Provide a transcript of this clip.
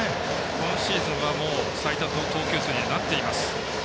今シーズンでは最多投球数にはなっています。